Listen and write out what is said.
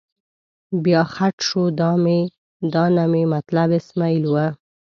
بیا خټ شو، دا نه مې مطلب اسمعیل و.